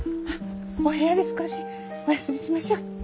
お部屋で少しお休みしましょう。